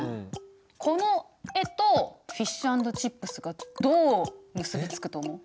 この絵とフィッシュ＆チップスがどう結び付くと思う？